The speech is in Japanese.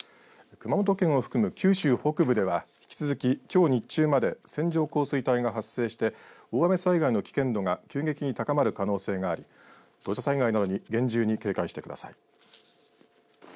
熊本県を含む九州北部では引き続き、きょう日中まで線状降水帯が発生して大雨災害の危険度が急激に高まる可能性があり土砂災害などに厳重に警戒してください。